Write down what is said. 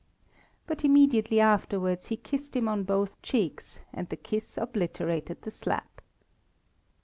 But immediately afterwards he kissed him on both cheeks, and the kiss obliterated the slap.